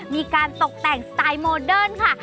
มีการตกแต่งสไตล์โมเดิร์นค่ะ